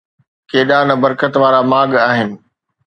ڪيڏا نه برڪت وارا ماڳ آهن